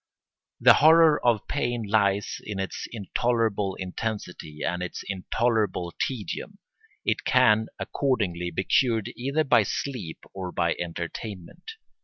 The horror of pain lies in its intolerable intensity and its intolerable tedium. It can accordingly be cured either by sleep or by entertainment.